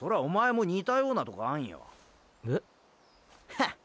ハッ。